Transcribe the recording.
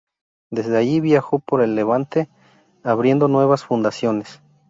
Desde allí viajó por el Levante, abriendo nuevas fundaciones.